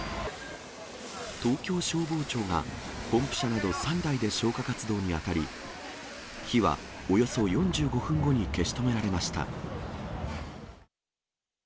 東京消防庁が、ポンプ車など３台で消火活動に当たり、火はおよそ４５分後に消し止められました。